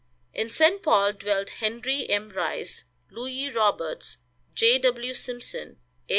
In St. Paul dwelt Henry M. Rice, Louis Roberts, J. W. Simpson, A.